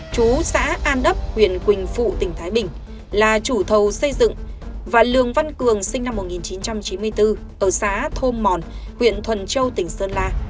chú xã an đốc huyện quỳnh phụ tỉnh thái bình là chủ thầu xây dựng và lường văn cường sinh năm một nghìn chín trăm chín mươi bốn ở xã thôn mòn huyện thuần châu tỉnh sơn la